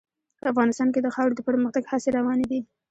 افغانستان کې د خاوره د پرمختګ هڅې روانې دي.